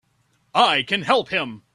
I can help him!